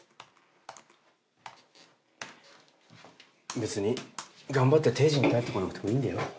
別に頑張って定時に帰ってこなくてもいいんだよ。